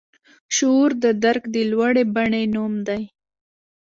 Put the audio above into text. شعور د درک د لوړې بڼې نوم دی.